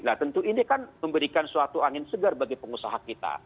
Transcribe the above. nah tentu ini kan memberikan suatu angin segar bagi pengusaha kita